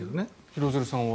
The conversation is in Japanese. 廣津留さんは？